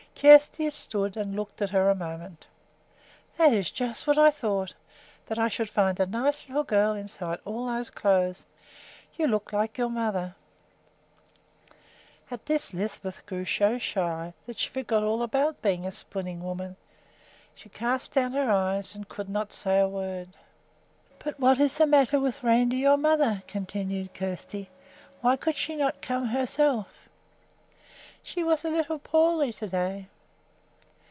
Kjersti stood and looked at her a moment. "That is just what I thought, that I should find a nice little girl inside all those clothes. You look like your mother." At this Lisbeth grew so shy that she forgot all about being a spinning woman. She cast down her eyes and could not say a word. "But what is the matter with Randi, your mother?" continued Kjersti. "Why could she not come herself?" "She was a little poorly to day."